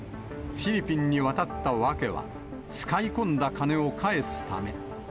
フィリピンに渡った訳は、使い込んだ金を返すため。